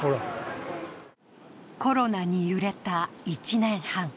コロナに揺れた１年半。